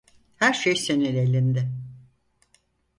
Her şey senin elinde.